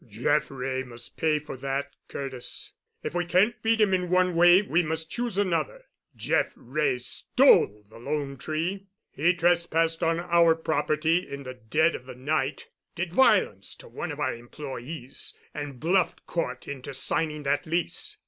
"Jeff Wray must pay for that, Curtis. If we can't beat him in one way we must choose another. Jeff Wray stole the 'Lone Tree.' He trespassed on our property in the dead of the night, did violence to one of our employes, and bluffed Cort into signing that lease.